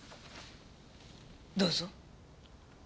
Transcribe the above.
どうぞ。